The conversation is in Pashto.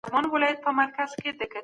هر کال زرګونه کسان د بند امیر لیدو ته ځي.